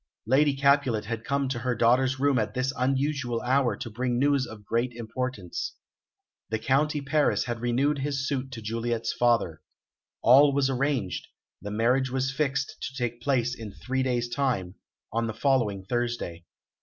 Lady Capulet had come to her daughter's room at this unusual hour to bring news of great importance. The County Paris had renewed his suit to Juliet's father. All was arranged; the marriage was fixed to take place in three days' time, on the following Thursday.